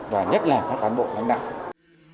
và nhất là các cán bộ đánh đạo